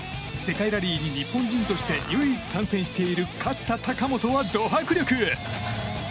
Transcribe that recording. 世界ラリーに日本人として唯一参戦している勝田貴元は、ド迫力。